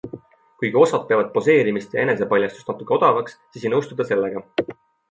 Kuigi osad peavad tema poseerimist ja enesepaljastust natuke odavaks, siis ei nõustu ta sellega.